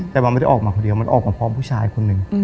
แต่มันไม่ได้ออกมาคนเดียวมันออกมาพร้อมผู้ชายคนหนึ่ง